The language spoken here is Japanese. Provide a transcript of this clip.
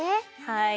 はい。